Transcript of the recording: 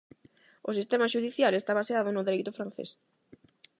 O sistema xudicial está baseado no dereito francés.